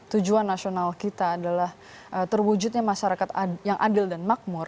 tujuan nasional kita adalah terwujudnya masyarakat yang adil dan makmur